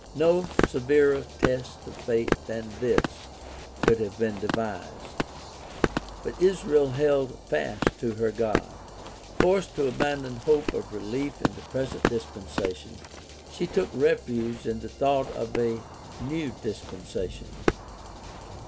No severer test of faith than this could have been devised. But Israel held fast to her God. Forced to abandon hope of relief in the present dispensation she took refuge in the thought of a neW dispensation.